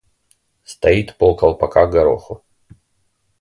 Стоит полколпака гороху.